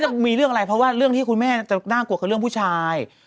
จะมีเรื่องอะไรเพราะว่าเรื่องที่คุณแม่จะน่ากลัวคือเรื่องผู้ชาย